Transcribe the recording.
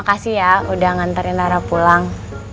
makasih ya udah nganterin lara pulang